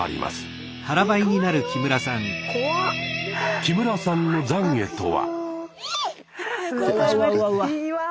木村さんのざんげとは？